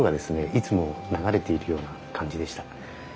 いつも流れているような感じでした。